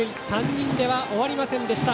３人では終わりませんでした